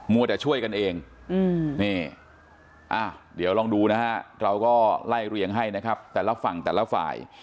วัวแต่ช่วยกันเองนี่เดี๋ยวลองดูนะฮะเราก็ไล่เรียงให้นะครับแต่ละฝั่งแต่ละฝ่าย